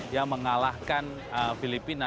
yang mengalahkan filipina